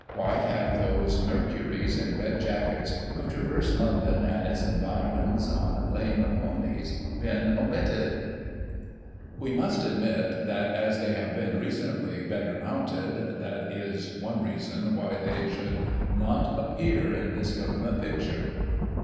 Why have those Mercuries in red jackets, who traverse London and its environs on Icime ponies, been omitted ? We must admit that, :gvagjYfflg jgJty.aaa?: 14 [j i t\ as they have been, recently, better mounted, that is one reason why they should not appear in this Government picture."